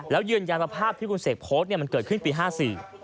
แล้วยืนยันว่าภาพที่คุณเสกโพสต์มันเกิดขึ้นปี๕๔